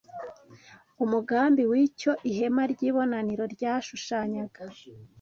umugambi w’icyo ihema ry’ibonaniro ryashushanyaga